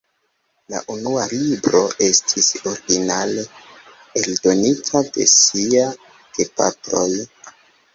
La unua libro estis originale eldonita de sia gepatroj.